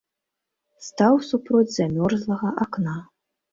Стаў супроць замёрзлага акна.